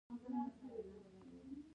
په شپږ سوه دوه اویا کال کې شل ابدات جوړ شوي.